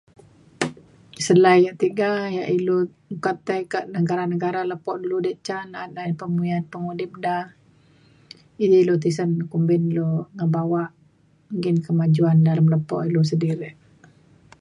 selai yu tiga ia' ilu ka tai ka negara negara lepo dulu di ca na'at nai pemuyan pemudip da edi lu tisen kumbin ilu ngebawak nggin kemajuan dalem lepo ilu sedirik